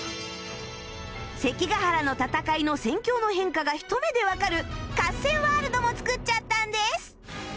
関ヶ原の戦いの戦況の変化が一目でわかる合戦ワールドも作っちゃったんです